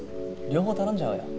両方頼んじゃおうよ。